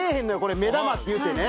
目玉っていってね。